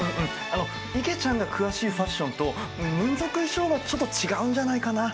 あのいげちゃんが詳しいファッションと民族衣装はちょっと違うんじゃないかな？